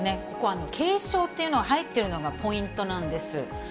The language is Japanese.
ここ、軽症というのが入っているのがポイントなんです。